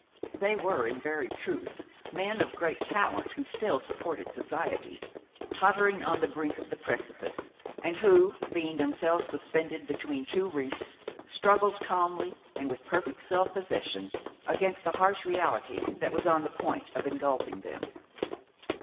They were in very truth men of great talent who still supported society, tottering on the brink of the precipice, and who, being themselves suspended between two reefs, struggled calmly and with perfect self possession against the harsh reality that was on the point of engulfing them.